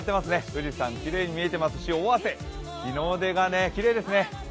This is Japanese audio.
富士山、きれいに見えていますし、尾鷲、日の出がきれいですね。